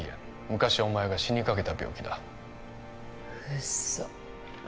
昔お前が死にかけた病気だ嘘！？